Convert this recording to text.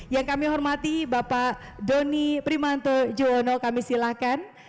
yang kami hormati bapak doni primanto juono kami silakan